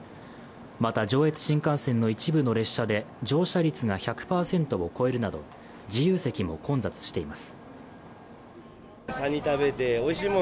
また上越新幹線の一部の列車で乗車率が１００％を超えるなど自由席も混雑しています。